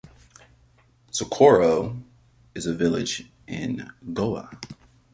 Soccoro is a village in Goa.